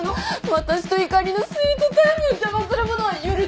私とひかりのスイートタイムを邪魔する者は許せん！